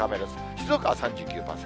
静岡は３９％。